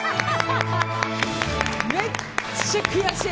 めっちゃ悔しい！